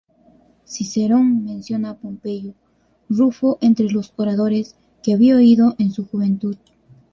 Cicerón menciona a Pompeyo Rufo entre los oradores que había oído en su juventud.